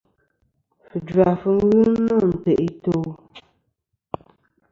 Fujva fɨ ghɨ nô ntè' i to'.